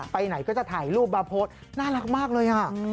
ไปไหนก็จะถ่ายรูปมาโพสต์น่ารักมากเลยอ่ะ